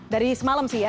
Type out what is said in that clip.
dari semalam sih ya